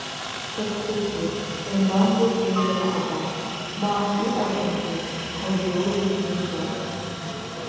Сазхәыцуеит, ианбанҵәеи ҳҩызара абас, ма иҟаӡамзу, ҳажьозу зынӡас?